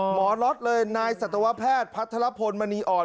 ล็อตเลยนายสัตวแพทย์พัทรพลมณีอ่อน